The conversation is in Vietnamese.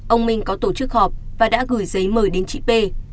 ông minh có tổ chức họp và đã gửi giấy mời đến chị p